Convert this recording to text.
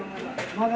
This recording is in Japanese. まだ。